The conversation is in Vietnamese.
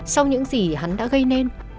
sau những gì hắn đã gây nên